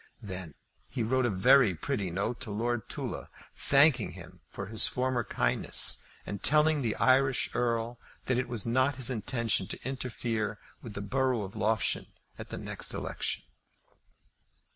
Then he wrote a very pretty note to Lord Tulla, thanking him for his former kindness, and telling the Irish Earl that it was not his intention to interfere with the borough of Loughshane at the next election.